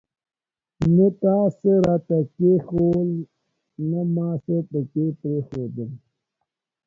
نه تا څه راته کښېښوول ، نه ما څه پکښي پريښودل.